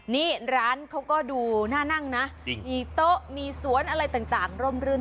นี่ร้านเขาก็ดูหน้านั่งนะมีโต๊ะมีสวนอะไรต่างร่มรื่น